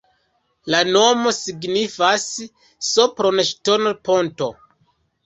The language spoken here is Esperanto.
La nomo signifas: Sopron-ŝtono-ponto.